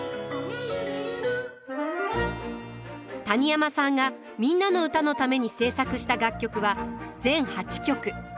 谷山さんが「みんなのうた」のために制作した楽曲は全８曲。